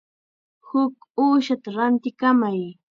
Huk uushata rantikamay.